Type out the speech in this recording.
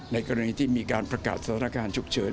ในกรณีที่มีการประกาศสถานการณ์ฉุกเฉิน